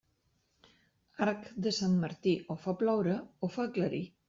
Arc de Sant Martí, o fa ploure o fa aclarir.